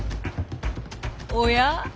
おや？